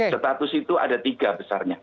status itu ada tiga besarnya